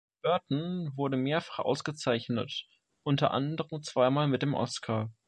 Burton wurde mehrfach ausgezeichnet, unter anderem zweimal mit dem Oscar.